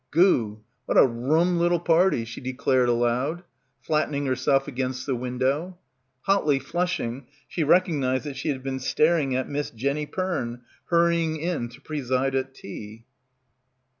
Goo — what a rum little party, she declared aloud, flattening herself against the window. Hotly flushing, she recognised that she had been staring at Miss Jenny Perne hurrying in to preside at tea.